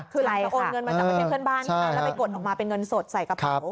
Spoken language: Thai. คือหลังจากโอนเงินมาจากประเทศเพื่อนบ้านแล้วไปกดออกมาเป็นเงินสดใส่กระเป๋า